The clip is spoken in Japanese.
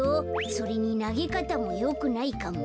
それになげかたもよくないかも。